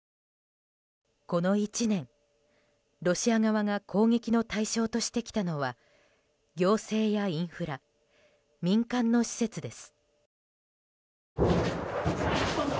この１年、ロシア側が攻撃の対象としてきたのは行政やインフラ民間の施設です。